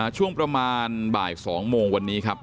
ช่วงประมาณบ่าย๒โมงวันนี้ครับ